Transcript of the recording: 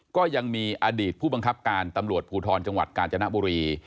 ก็ยังมีอดีตผู้บังคับการตำรวจภูทรจังหวัดกาญจนบุรี